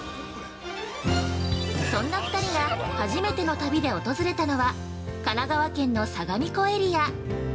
そんな２人が初めての旅で訪れたのは神奈川県の相模湖エリア。